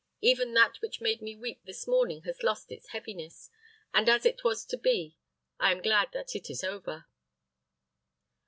Even that which made me weep this morning has lost its heaviness, and as it was to be, I am glad that it is over."